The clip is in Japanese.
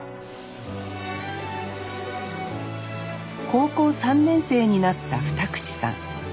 高校３年生になった二口さん。